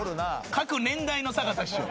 各年代の坂田師匠。